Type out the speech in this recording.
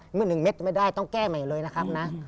เมื่อ๑เม็ดไม่ได้ต้องแก้ใหม่เลยนะครับนะ